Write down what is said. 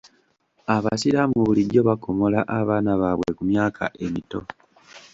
Abasiraamu bulijjo bakomola abaana baabwe ku myaka emito.